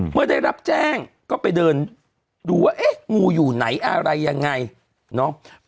เมื่อได้รับแจ้งก็ไปเดินดูว่าเอ๊ะงูอยู่ไหนอะไรยังไงเนาะ